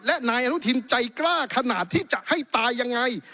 และนายอนุทินใจกล้าขนาดที่จะให้ตายยังไง